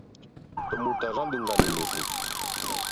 Tɔ̀ mòtò àrzá lìɡànì mòtò.